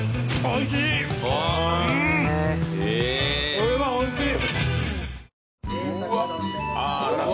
これはおいしい。